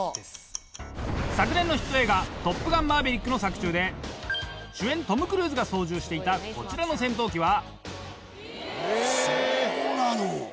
昨年のヒット映画『トップガンマーヴェリック』の作中で主演トム・クルーズが操縦していたこちらの戦闘機は。